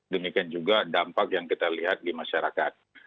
demikian juga dampak yang kita lihat di masyarakat